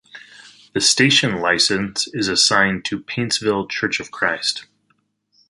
The station license is assigned to Paintsville Church of Christ.